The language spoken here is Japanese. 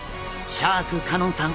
シャーク香音さん